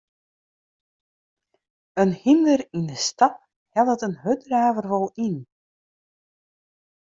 In hynder yn 'e stap hellet in hurddraver wol yn.